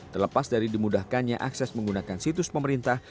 terlepas dari dimudahkannya akses menggunakan situs pemerintah